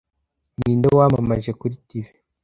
Ninde wamamaje kuri TV